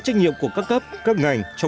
trách nhiệm của các cấp các ngành